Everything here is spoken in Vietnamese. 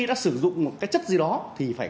đã sử dụng một cái chất gì đó thì phải